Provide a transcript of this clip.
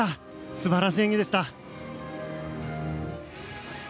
素晴らしい演技でした。